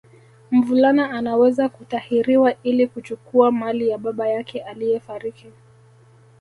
Mvulana anaweza kutahiriwa ili kuchukua mali ya baba yake aliyefariki